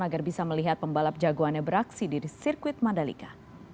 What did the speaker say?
agar bisa melihat pembalap jagoannya beraksi di sirkuit mandalika